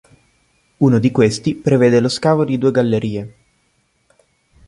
Uno di questi prevede lo scavo di due gallerie.